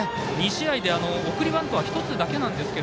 ２試合で送りバントは１つだけなんですが。